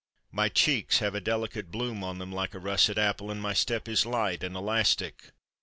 My cheeks have a delicate bloom on them like a russet apple, and my step is light and elastic.